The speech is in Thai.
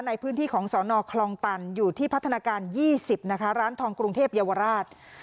ในพื้นที่ของสนคลองตันอยู่ที่พัฒนาการ๒๐นะคะร้านทองกรุงเทพเยาวราช